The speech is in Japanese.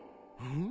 ん？